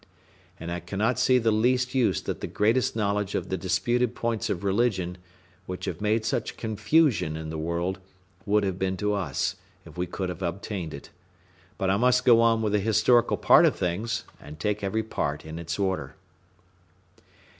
And I cannot see the least use that the greatest knowledge of the disputed points of religion, which have made such confusion in the world, would have been to us, if we could have obtained it. But I must go on with the historical part of things, and take every part in its order.